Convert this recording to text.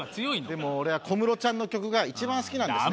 でも俺は小室ちゃんの曲が一番好きなんですね。